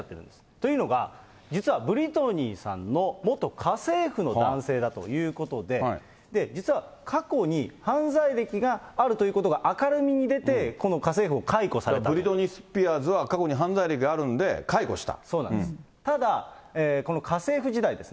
というのが、実はブリトニーさんの元家政婦の男性だということで、実は過去に犯罪歴があるということが明るみに出て、ブリトニー・スピアーズは過去に犯罪歴があるんで、解雇した。